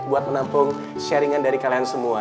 buat menampung sharingan dari kalian semua